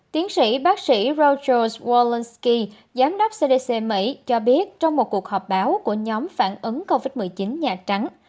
tiến sĩ bác sĩ routers worlsky giám đốc cdc mỹ cho biết trong một cuộc họp báo của nhóm phản ứng covid một mươi chín nhà trắng